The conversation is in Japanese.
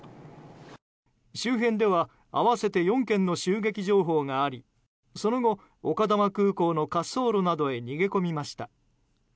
周辺では合わせて４件の襲撃情報がありその後、丘珠空港の滑走路などへ逃げ込みました。